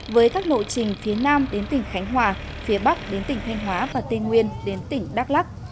với các lộ trình phía nam đến tỉnh khánh hòa phía bắc đến tỉnh thanh hóa và tây nguyên đến tỉnh đắk lắc